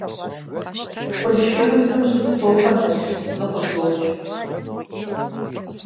Къулъшырыфым щыпсэухэм ящыщ зы къыдокӀ.